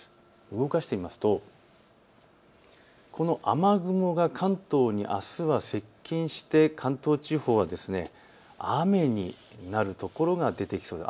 動かしてみますとこの雨雲が関東にあすは接近して関東地方は雨になるところが出てきそうです。